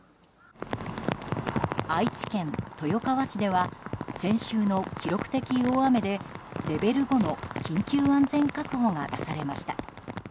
愛知県豊川市では先週の記録的大雨でレベル５の緊急安全確保が出されました。